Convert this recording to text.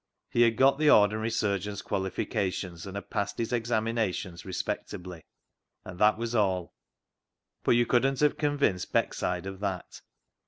He had got the ordinary VAULTING AMBITION 261 surgeon's qualifications, and had passed his examinations respectably ; and that was all. But you couldn't have convinced Beckside of that.